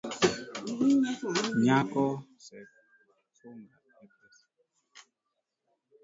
Nyako sek sunga e pesa.